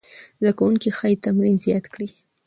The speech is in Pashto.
زده کوونکي ښايي تمرین زیات کړي.